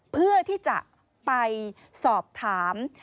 เพื่อที่จะไปสอบถาม